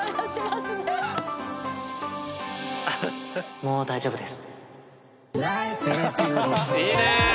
もう大丈夫です。